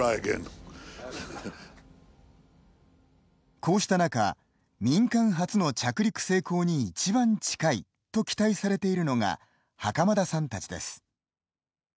こうした中民間初の着陸成功にいちばん近いと期待されているのが袴田さんたちです。